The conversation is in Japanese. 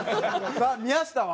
さあ宮下は？